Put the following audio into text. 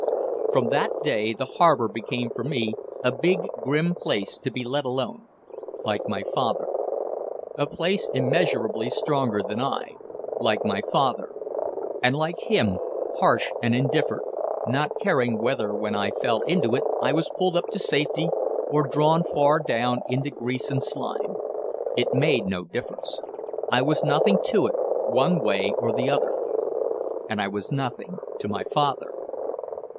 From that day the harbor became for me a big grim place to be let alone like my father. A place immeasurably stronger than I like my father and like him harsh and indifferent, not caring whether when I fell into it I was pulled up to safety or drawn far down into grease and slime. It made no difference. I was nothing to it one way or the other. And I was nothing to my father.